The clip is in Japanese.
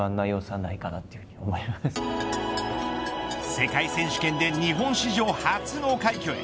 世界選手権で日本史上初の快挙へ。